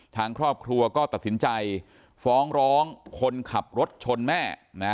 ทางครอบครัวก็ตัดสินใจฟ้องร้องคนขับรถชนแม่นะ